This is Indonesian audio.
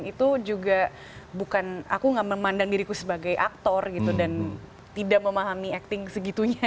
itu juga bukan aku gak memandang diriku sebagai aktor gitu dan tidak memahami acting segitunya